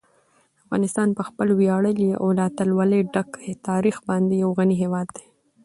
افغانستان په خپل ویاړلي او له اتلولۍ ډک تاریخ باندې یو غني هېواد دی.